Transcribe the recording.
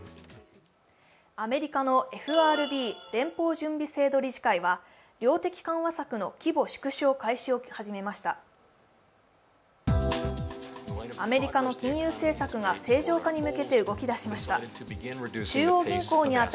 アメリカのＦＲＢ＝連邦準備制度理事会は、量的緩和策の規模縮小解消を始めました。